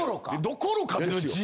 どころかですよ。